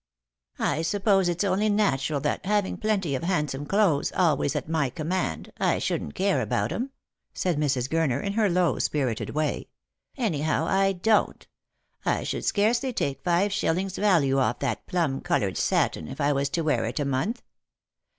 " I suppose it's only natural that, having plenty of handsome clothes always at my command, I shouldn't care about 'em," said Mrs. Gurner, in her low spiritel way ;" anyhow, I don't. I should scarcely take five shillings' value off that plum coloured satin if I was to wear it a month.